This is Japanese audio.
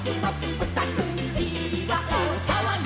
ブタくんちはおおさわぎ！」